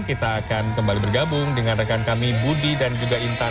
kita akan kembali bergabung dengan rekan kami budi dan juga intan